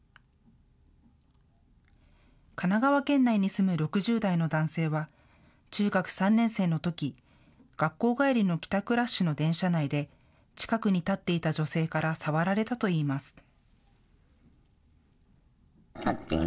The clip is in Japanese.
神奈川県内に住む６０代の男性は中学３年生のとき、学校帰りの帰宅ラッシュの電車内で近くに立っていた女性から触られたといいます。